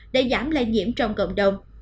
để giảm lại nhiễm trong cộng đồng